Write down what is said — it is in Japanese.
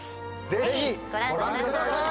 ぜひご覧ください！